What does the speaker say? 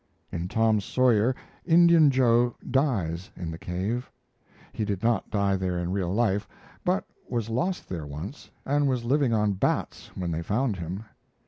In Tom Sawyer Indian Joe dies in the cave. He did not die there in real life, but was lost there once, and was living on bats when they found him.